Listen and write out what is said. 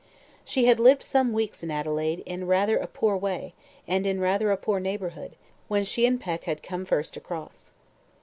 She had lived some weeks in Adelaide in rather a poor way, and in rather a poor neighbourhood, when she and Peck had come first across.